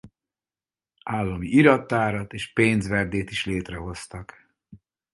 Állami irattárat és pénzverdét is létrehoztak.